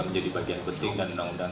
menjadi bagian penting dan undang undang